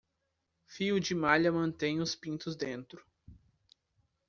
Fio de malha mantém os pintos dentro.